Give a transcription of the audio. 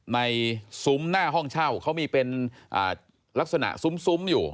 ซุ้มหน้าห้องเช่าเขามีเป็นลักษณะซุ้มอยู่